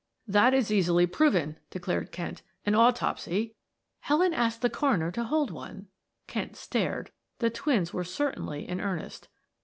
"That is easily proven," declared Kent. "An autopsy " "Helen asked the coroner to hold one." Kent stared the twins were certainly in earnest.